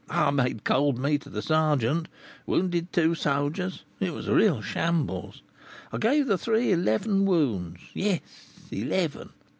I made 'cold meat' of the sergeant, wounded two soldiers, it was a real shambles; I gave the three eleven wounds, yes, eleven.